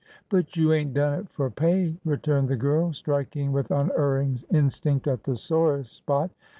" But you ain't done it fur pay," returned the girl, ■ striking with unerring instinct at the sorest spot.